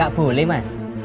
gak boleh mas